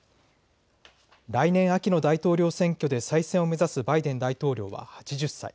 来年秋の大統領選挙で再選を目指すバイデン大統領は８０歳。